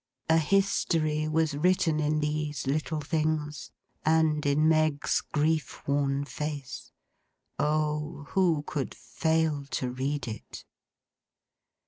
A history was written in these little things, and in Meg's grief worn face. Oh! who could fail to read it!